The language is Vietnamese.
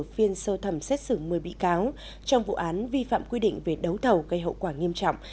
phiên sơ thẩm xét xử một mươi bị cáo trong vụ án vi phạm quy định về đấu thầu gây hậu quả nghiêm trọng